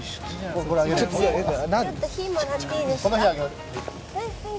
ちょっと火もらっていいですか？